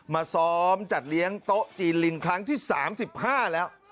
มาซ้อมจัดเลี้ยงโต๊ะจีนลิงครั้งที่๓๕แล้ว